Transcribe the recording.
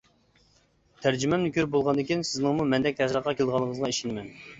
تەرجىمەمنى كۆرۈپ بولغاندىن كېيىن سىزنىڭمۇ مەندەك تەسىراتقا كېلىدىغانلىقىڭىزغا ئىشىنىمەن.